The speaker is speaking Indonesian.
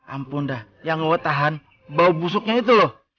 ampun dah yang gue tahan bau busuknya itu loh